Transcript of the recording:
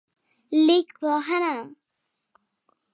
لیکپوهنه